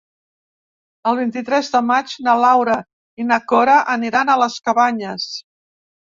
El vint-i-tres de maig na Laura i na Cora aniran a les Cabanyes.